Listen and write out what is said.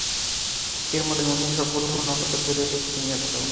এর মধ্যে নতুন সব গ্রহ ও নক্ষত্র তৈরি হচ্ছে প্রতিনিয়ত।